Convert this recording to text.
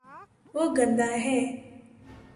وہ گندا ہے